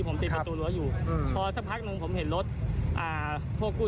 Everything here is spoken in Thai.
ก็คือเขาจอดรถอยู่แล้วครับเพื่อดู